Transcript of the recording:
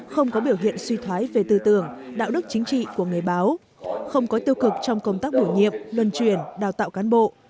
không có biểu hiện suy thoái về tư tưởng đạo đức chính trị của người báo không có tiêu cực trong công tác bổ nhiệm luân truyền đào tạo cán bộ